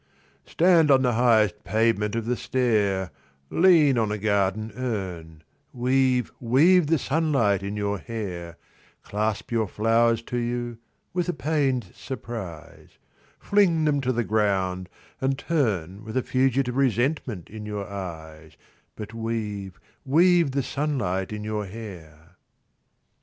Stand on the highest pavement of the stair Lean on a garden urn Weave, weave the sunlight in your hair Clasp your flowers to you with a pained surprise Fling them to the ground and turn With a fugitive resentment in your eyes: But weave, weave the sunlight in your hair.